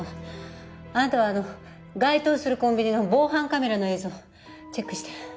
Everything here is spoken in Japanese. あなたは該当するコンビニの防犯カメラの映像チェックして。